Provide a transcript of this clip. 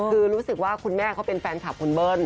คือรู้สึกว่าคุณแม่เขาเป็นแฟนคลับคุณเบิ้ล